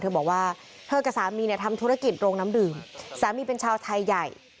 บอกว่าเธอกับสามีเนี่ยทำธุรกิจโรงน้ำดื่มสามีเป็นชาวไทยใหญ่